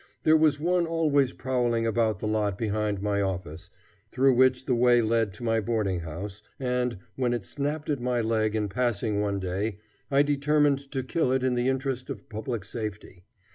There was one always prowling about the lot behind my office, through which the way led to my boarding house, and, when it snapped at my leg in passing one day, I determined to kill it in the interest of public safety.